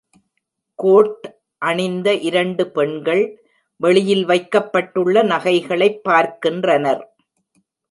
Code அணிந்த இரண்டு பெண்கள் வெளியில் வைக்கப்பட்டுள்ள நகைகளைப் பார்க்கின்றனர்.